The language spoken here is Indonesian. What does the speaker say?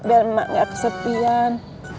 biar emak nggak kesepian